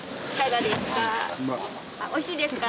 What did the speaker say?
おいしいですか？